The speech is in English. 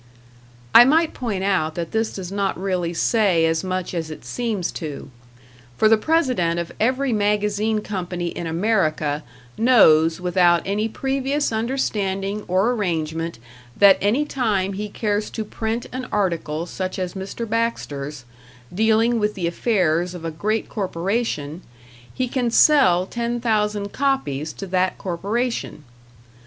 I might point out that this does not really say as much as it seems to; for the President of every magazine company in America knows without any previous understanding or arrangement that any time he cares to print an article such as Mr. Baxter's, dealing with the affairs of a great corporation, he can sell ten thousand copies to that corporation.